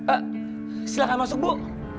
eh silahkan masuk bu